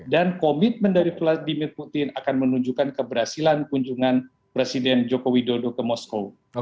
dan komitmen dari vladimir putin akan menunjukkan keberhasilan kunjungan presiden jokowi dodo ke moskow